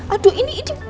aduh ini ini